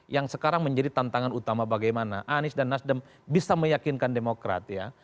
yang sekarang menjadi tantangan utama bagaimana anies dan nasdem bisa meyakinkan demokrat ya